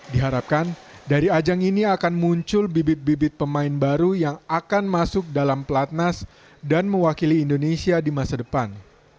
diharapkan dari ajang ini akan muncul bibit bibit pemain baru yang akan masuk dalam pelatnas dan mewakili indonesia di masa depan